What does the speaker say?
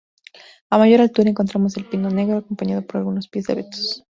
A mayor altura encontramos al pino negro, acompañado por algunos pies de abetos.